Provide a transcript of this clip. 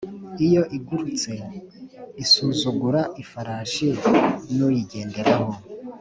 iyo igurutse isuzugura ifarashi n uyigenderaho